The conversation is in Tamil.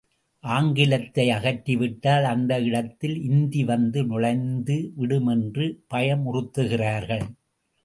ஆங்கிலத்தை அகற்றி விட்டால் அந்த இடத்தில் இந்தி வந்து நுழைந்து விடும் என்று பயமுறுத்துகிறார்கள்!